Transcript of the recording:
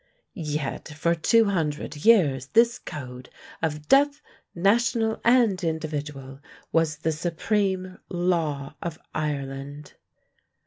Yet for two hundred years this code of death, national and individual, was the supreme law of Ireland.